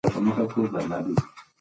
آیا سبا رخصتي ده؟